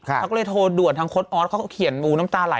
เขาก็เลยโทรด่วนทางโค้ดออสเขาก็เขียนหมูน้ำตาไหล